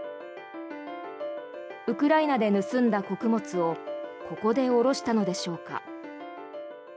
ウクライナで盗んだ穀物をここで下ろしたのでしょうか。